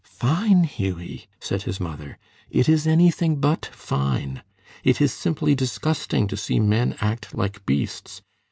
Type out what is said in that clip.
"Fine, Hughie!" said his mother. "It is anything but fine. It is simply disgusting to see men act like beasts.